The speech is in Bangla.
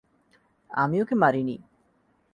আমি ওকে মারিনি।